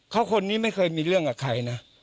เขาคนนี้ไม่เคยมีเรื่องกับใครนะ